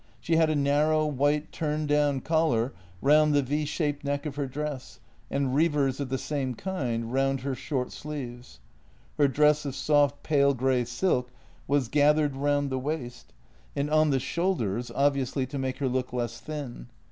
She had a narrow, white turned down collar round the V shaped neck of her dress and revers of the same kind round her short sleeves. Her dress of soft, pale grey silk was gathered round the waist and on the 22 JENNY shoulders — obviously to make her look less thin.